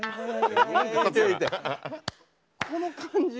この感じ。